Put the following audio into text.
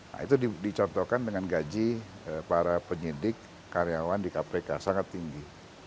nah itu dicontohkan dengan gaji para penyidik karyawan di kpk sangat tinggi